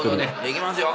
いきますよ。